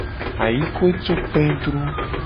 Ayikue tu kpedru.